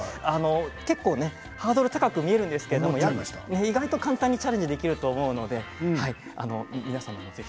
結構、ハードル高く見えるんですけど意外と簡単にチャレンジできると思うので皆さんも、ぜひ。